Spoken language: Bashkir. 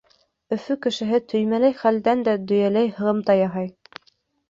Өфө кешеһе төймәләй хәлдән дә дөйәләй һығымта яһай.